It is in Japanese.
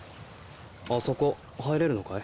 あそこ入れるのかい？